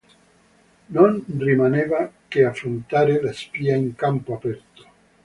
Non rimaneva che affrontare la spia in campo aperto.